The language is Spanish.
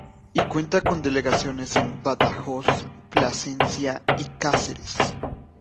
Y cuenta con delegaciones en Badajoz, Plasencia y Cáceres.